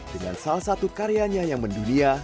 dengan salah satu karyanya yang mendunia